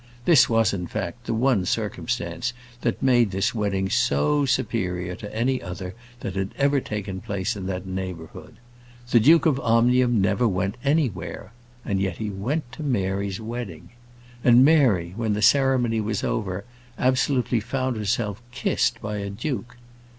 This was, in fact, the one circumstance that made this wedding so superior to any other that had ever taken place in that neighbourhood. The Duke of Omnium never went anywhere; and yet he went to Mary's wedding! And Mary, when the ceremony was over, absolutely found herself kissed by a duke.